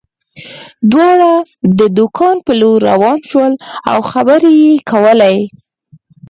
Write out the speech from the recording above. دواړه د کان په لور روان شول او خبرې یې کولې